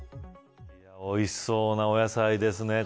おいしそうなお野菜ですね。